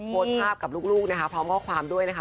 โฆษภาพกับลูกพร้อมข้อความด้วยนะคะ